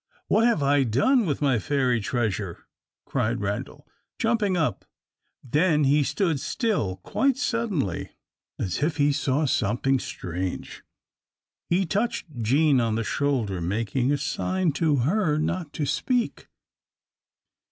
"What have I done with my fairy treasure?" cried Randal, jumping up. Then he stood still quite suddenly, as if he saw something strange. He touched Jean on the shoulder, making a sign to her not to speak.